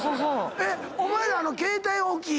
お前ら。